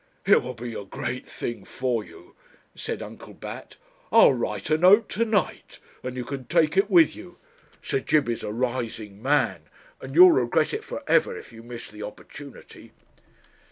'It would be a great thing for you,' said Uncle Bat. 'I'll write a note to night, and you can take it with you. Sir Jib is a rising man, and you'll regret it for ever if you miss the opportunity.'